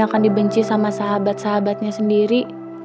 akan dibenci sama sahabat sahabatnya sendiri